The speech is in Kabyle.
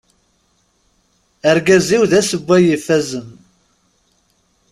Argaz-iw d asewway ifazen.